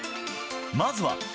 まずは。